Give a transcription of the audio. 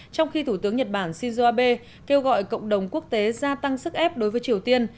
trong khi thủ tướng nhật bản shinzo abe kêu gọi cộng đồng quốc tế gia tăng sức ép đối với triều tiên